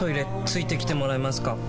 付いてきてもらえますか？